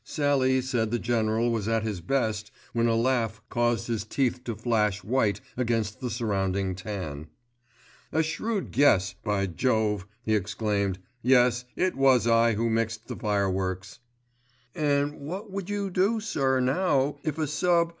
Sallie said the General was at his best when a laugh caused his teeth to flash white against the surrounding tan. "A shrewd guess, by jove," he exclaimed, "Yes, it was I who mixed the fireworks." "And what would you do sir now if a sub.